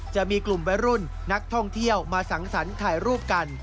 จะมีกลุ่มวัยรุ่นนักท่องเที่ยวมาสังสรรค์ถ่ายรูปกัน